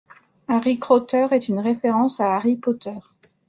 Harry Crotteur est une référence à Harry Potter.